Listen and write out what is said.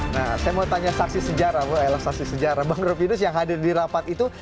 nah saya mau tanya saksi sejarah relaksasi sejarah bang rufinus yang hadir di rapat itu